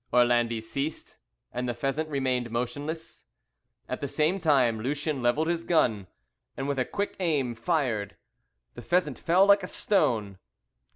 Orlandi ceased, and the pheasant remained motionless. At the same moment Lucien levelled his gun, and, with a quick aim, fired. The pheasant fell like a stone.